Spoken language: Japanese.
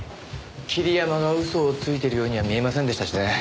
桐山が嘘をついてるようには見えませんでしたしね。